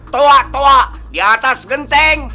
toak toa di atas genteng